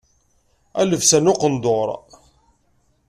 A lebsa n uqendur.